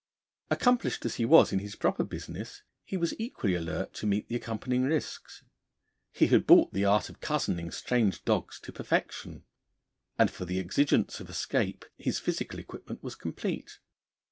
Accomplished as he was in his proper business, he was equally alert to meet the accompanying risks. He had brought the art of cozening strange dogs to perfection; and for the exigence of escape, his physical equipment was complete.